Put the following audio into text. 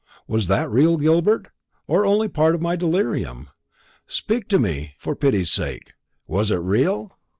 Was that real, Gilbert? or only a part of my delirium? Speak to me, for pity's sake. Was it real?"